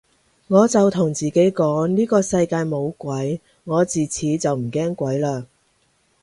我就同自己講呢個世界冇鬼，我自此就唔驚鬼嘞